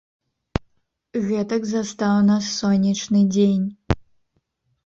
Гэтак застаў нас сонечны дзень.